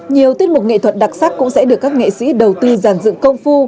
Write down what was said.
nhiều tiết mục nghệ thuật đặc sắc cũng sẽ được các nghệ sĩ đầu tư giàn dựng công phu